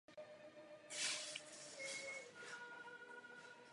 Následkem toho došlo k privatizaci National Bus Company.